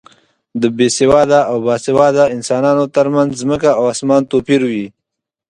د بې سواده او با سواده انسانو تر منځ ځمکه او اسمان توپیر وي.